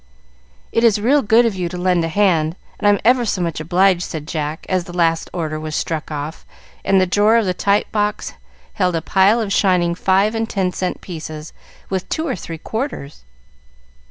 "It is real good of you to lend a hand, and I'm ever so much obliged," said Jack, as the last order was struck off, and the drawer of the type box held a pile of shining five and ten cent pieces, with two or three quarters.